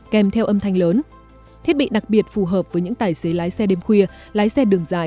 kèm theo âm thanh lớn thiết bị đặc biệt phù hợp với những tài xế lái xe đêm khuya lái xe đường dài